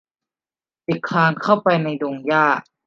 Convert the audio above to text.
เด็กคลานเข้าไปในดงหญ้า